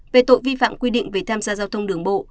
về tội vi phạm quy định về tham gia giao thông đường bộ